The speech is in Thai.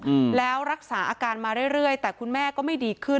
อืมแล้วรักษาอาการมาเรื่อยเรื่อยแต่คุณแม่ก็ไม่ดีขึ้น